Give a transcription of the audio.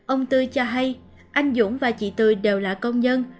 ông tươi cho hay anh dũng và chị tươi đều là công nhân